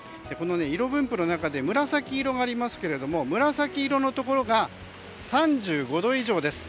色分布の中で紫色がありますが紫色のところが３５度以上です。